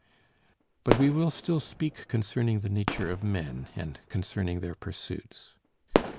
But we will still speak concerning the nature of men, and concerning their pursuits.